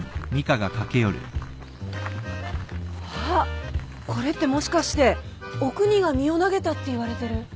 あっこれってもしかしておくにが身を投げたっていわれてる。